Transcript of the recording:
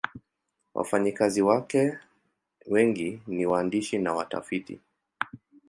Wafanyakazi wake wengi ni waandishi na watafiti.